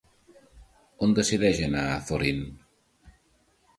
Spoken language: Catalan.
On decideix anar Thorin?